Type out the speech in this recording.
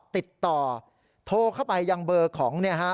ติดต่อโทรเข้าไปยังเบอร์ของเนี่ยฮะ